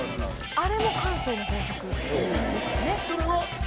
あれも慣性の法則なんですよね。